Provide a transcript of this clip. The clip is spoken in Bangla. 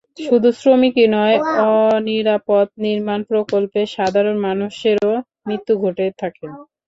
শুধু শ্রমিকই নয়, অনিরাপদ নির্মাণ প্রকল্পে সাধারণ মানুষেরও মৃত্যু ঘটে থাকে।